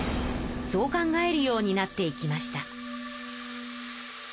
そう考えるようになっていきました。